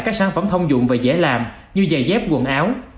các sản phẩm thông dụng và dễ làm như giày dép quần áo